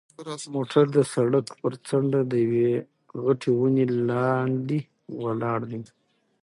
موټر د سړک پر څنډه د یوې غټې ونې لاندې ولاړ دی.